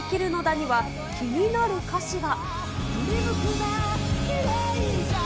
には、気になる歌詞が。